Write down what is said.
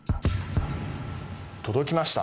届きました。